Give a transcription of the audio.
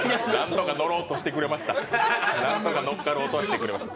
なんとかのっかろうとしてくれました。